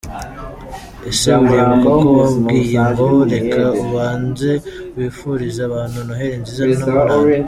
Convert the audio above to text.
Ese uribuka ko wambwiye ngo reka ubanze wifurize abantu Noheli nziza n’ubunani ?